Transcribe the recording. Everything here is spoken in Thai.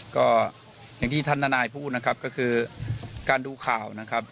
ก็อย่างที่ท่านทนายพูดนะครับก็คือการดูข่าวนะครับ